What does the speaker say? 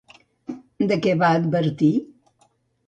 De què va advertir?